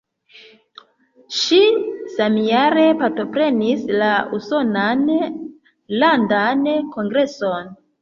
Ŝi samjare partoprenis la usonan landan kongreson.